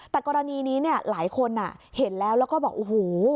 แต่กรณีนี้เนี่ยหลายคนเห็นแล้วแล้วก็บอกโอ้โห